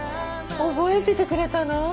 覚えててくれたの？